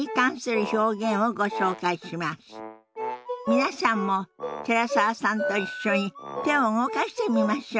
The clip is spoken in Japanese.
皆さんも寺澤さんと一緒に手を動かしてみましょう。